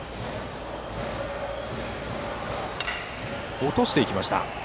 落としていきました。